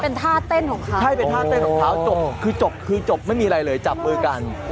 เป็นท่าเต้นของเขาใช่เป็นท่าเต้นของเขาจบคือจบคือจบไม่มีอะไรเลยจับมือกัน